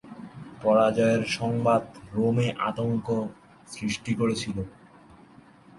পরাজয়ের সংবাদ রোমে আতঙ্ক সৃষ্টি করেছিল।